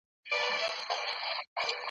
دا څو بیتونه مي، په ډېر تلوار `